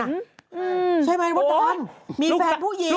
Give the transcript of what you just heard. อืมอืมอืมอืม